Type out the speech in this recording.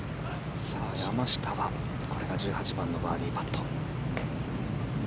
山下は、これが１８番のバーディーパット。